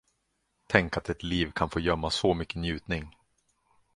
Tänk att ett liv kan få gömma så mycken njutning.